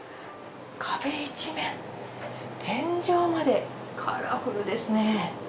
壁一面、天井までカラフルですね。